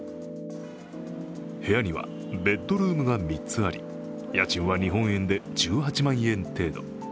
部屋にはベッドルームが３つあり、家賃は日本円で１８万円程度。